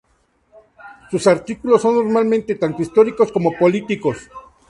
Sus artículos son normalmente tanto históricos como políticos.